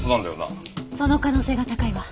その可能性が高いわ。